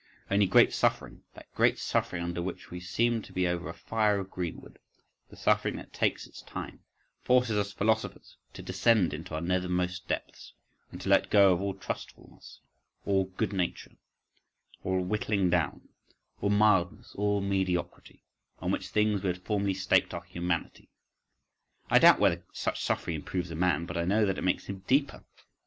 Only great suffering; that great suffering, under which we seem to be over a fire of greenwood, the suffering that takes its time—forces us philosophers to descend into our nethermost depths, and to let go of all trustfulness, all good nature, all whittling down, all mildness, all mediocrity,—on which things we had formerly staked our humanity. I doubt whether such suffering improves a man; but I know that it makes him deeper.